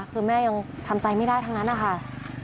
คือแม่ยังทำใจไม่ได้ทั้งนั้นนะคะ